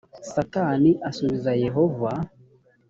satani asubiza yehova